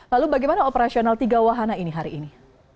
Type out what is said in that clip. lalu bagaimana operasional tiga wahana ini hari ini